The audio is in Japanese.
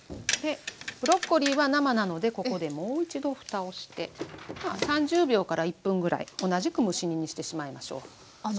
ブロッコリーは生なのでここでもう一度ふたをして３０秒から１分ぐらい同じく蒸し煮にしてしまいましょう。